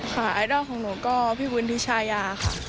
ค่ะไอดอลของหนูก็พี่บุญธิชายาค่ะ